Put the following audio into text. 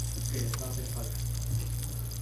que les va a hacer falta .